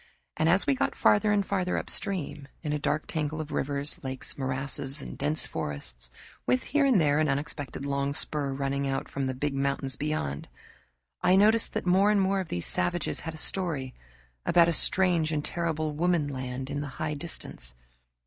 And as we got farther and farther upstream, in a dark tangle of rivers, lakes, morasses, and dense forests, with here and there an unexpected long spur running out from the big mountains beyond, I noticed that more and more of these savages had a story about a strange and terrible Woman Land in the high distance.